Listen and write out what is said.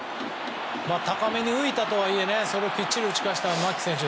高めに浮いたとはいえそれをきっちり打ち返した牧選手。